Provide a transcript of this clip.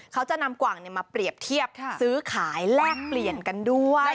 เขาจะนำกว่างมาเปรียบเทียบซื้อขายแลกเปลี่ยนกันด้วย